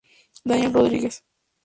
Daniel Rodríguez